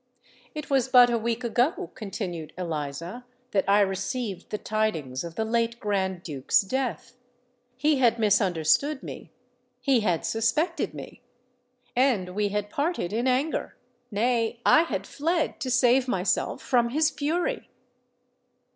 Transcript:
"It was but a week ago," continued Eliza, "that I received the tidings of the late Grand Duke's death. He had misunderstood me—he had suspected me—and we had parted in anger: nay—I had fled to save myself from his fury!"